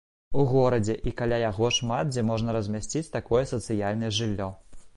У горадзе і каля яго шмат дзе можна размясціць такое сацыяльнае жыллё.